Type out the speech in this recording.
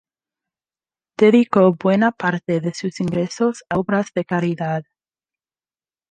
Dedicó buena parte de sus ingresos a obras de caridad.